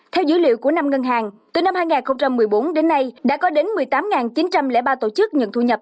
theo dữ liệu của năm ngân hàng từ năm hai nghìn một mươi bốn đến nay đã có đến một mươi tám chín trăm linh ba tổ chức nhận thu nhập